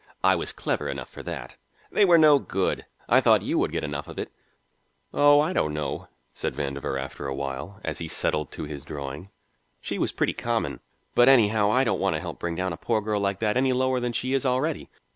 I was clever enough for that. They were no good. I thought you would get enough of it." "Oh, I don't know," said Vandover after a while, as he settled to his drawing. "She was pretty common, but anyhow I don't want to help bring down a poor girl like that any lower than she is already."